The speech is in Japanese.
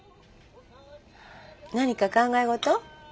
何か考え事？